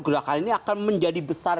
gerakan ini akan menjadi besar